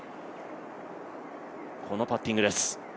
このパッティングです。